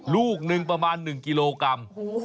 ลูกหนึ่งประมาณ๑กิโลกรัม